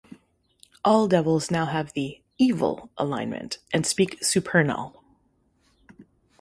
All devils now have the "Evil" alignment and speak Supernal.